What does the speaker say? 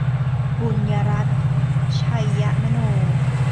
บุญรัตน์ ไชยมโน